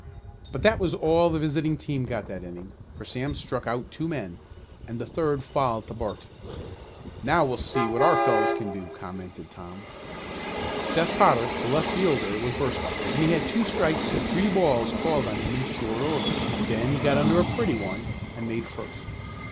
But that was all the visiting team got that inning, for Sam struck out two men, and the third fouled to Bart. "Now we'll see what our fellows can do," commented Tom. Seth Potter, the left fielder, was first up, and he had two strikes and three balls called on him in short order. Then he got under a pretty one and made first.